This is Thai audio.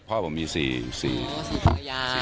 พ่อผมมี๔๔ภรรยา